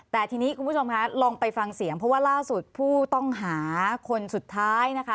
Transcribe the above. แต่ทีนี้คุณผู้ชมคะลองไปฟังเสียงเพราะว่าล่าสุดผู้ต้องหาคนสุดท้ายนะคะ